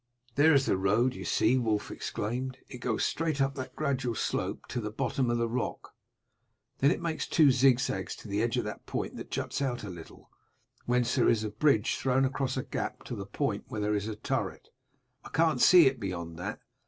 "There is the road, you see," Wulf exclaimed. "It goes straight up that gradual slope to the bottom of the rock, then it makes two zigzags to the edge of that point that juts out a little, whence there is a bridge thrown across a gap to the point where there is a turret. I can't see it beyond that.